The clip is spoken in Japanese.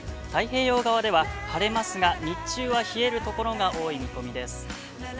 太平洋側では、晴れますが、日中は冷えるところが多い見込みです。